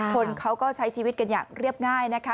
คนเขาก็ใช้ชีวิตกันอย่างเรียบง่ายนะคะ